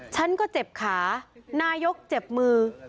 ฉันก็เจ็บขานายกเจ็บมือ